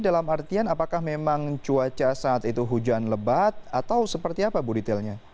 berarti apakah memang cuaca saat itu hujan lebat atau seperti apa bu ditilnya